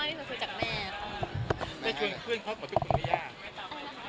ที่หนูชอบมากก็คือคุยจากแม่